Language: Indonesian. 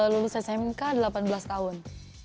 lulus smk delapan belas tahun